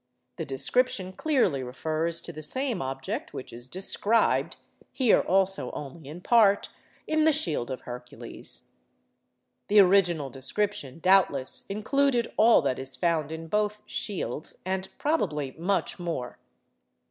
The description clearly refers to the same object which is described (here, also, only in part) in the 'Shield of Hercules.' The original description, doubtless, included all that is found in both 'shields,' and probably much more.